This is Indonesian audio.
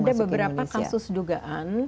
ada beberapa kasus dugaan